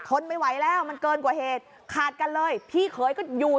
ทนไม่ไหวแล้วมันเกินกว่าเหตุขาดกันเลยพี่เขยก็อยู่